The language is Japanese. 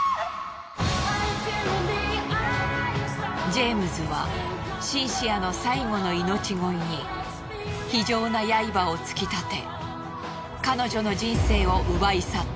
ジェームズはシンシアの最後の命乞いに非情な刃を突き立て彼女の人生を奪い去った。